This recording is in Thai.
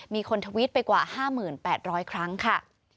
ทวิตไปกว่า๕๘๐๐ครั้งค่ะ